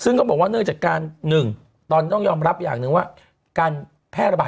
ซึ่งก็บอกว่าเนื่องจากการหนึ่งตอนนี้ต้องยอมรับอย่างหนึ่งว่าการแพร่ระบาด